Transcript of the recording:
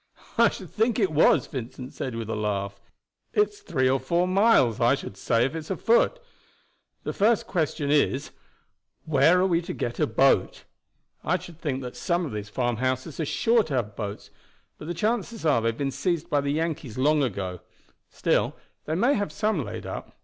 "I should think it was," Vincent said with a laugh. "It's three or four miles, I should say, if it's a foot. The first question is where are we to get a boat? I should think that some of these farmhouses are sure to have boats, but the chances are they have been seized by the Yankees long ago. Still they may have some laid up.